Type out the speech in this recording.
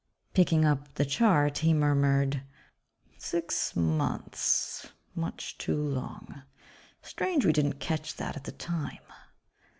Picking up the chart, he murmured, "Six months ... much too long. Strange we didn't catch that at the time."